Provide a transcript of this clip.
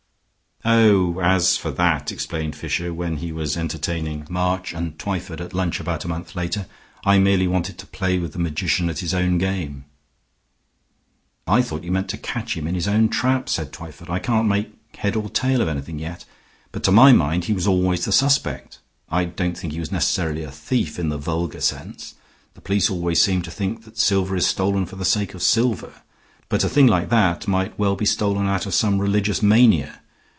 "Oh, as for that," explained Fisher, when he was entertaining March and Twyford at lunch about a month later, "I merely wanted to play with the magician at his own game." "I thought you meant to catch him in his own trap," said Twyford. "I can't make head or tail of anything yet, but to my mind he was always the suspect. I don't think he was necessarily a thief in the vulgar sense. The police always seem to think that silver is stolen for the sake of silver, but a thing like that might well be stolen out of some religious mania.